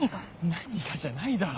「何が？」じゃないだろ。